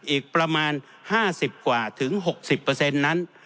อีกประมาณ๕๐กว่าถึง๖๐นั้น